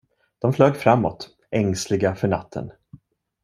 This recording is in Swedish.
De flög framåt, ängsliga för natten.